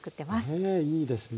ねえいいですね。